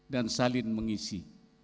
dan salin mengisi